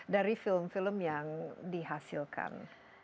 dari film film yang dihasilkan